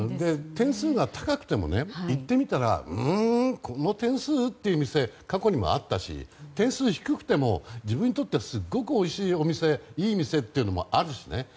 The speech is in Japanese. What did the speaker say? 点数が高くても行ってみたらうーん、この点数？っていう店過去にもあったし点数が低くても、自分にとってはすごくおいしいお店いい店っていうのもあるしね。